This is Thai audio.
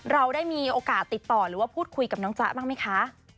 เราได้มีโอกาสติดต่อหรือว่าพูดคุยกับน้องจ๊ะบ้างไหมคะ